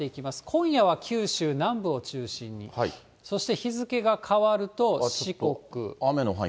今夜は九州南部を中心に、そして日付が変わると、四国。